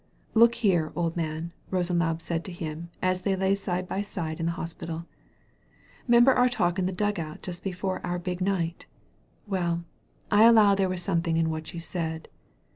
''Look here, old man/' Rosenlaube said to him as they lay side by side in the hospital, 'member our talk in the dugout just before our big night? Well, I allow there was something in what you said.